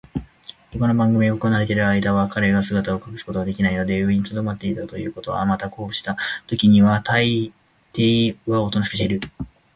ほかの番組が行われるあいだは、彼が姿を隠すことができないので上にとどまっているということ、またこうしたときにはたいていはおとなしくしているにもかかわらず、